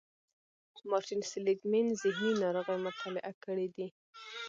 مارټين سېليګ مېن ذهني ناروغۍ مطالعه کړې دي.